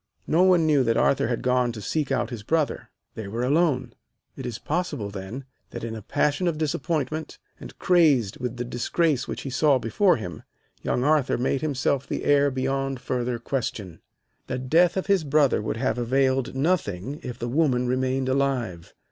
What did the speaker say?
No one knew that Arthur had gone to seek out his brother. They were alone. It is possible, then, that in a passion of disappointment, and crazed with the disgrace which he saw before him, young Arthur made himself the heir beyond further question. The death of his brother would have availed nothing if the woman remained alive.